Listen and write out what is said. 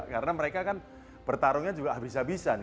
karena mereka kan pertarungnya juga habis habisan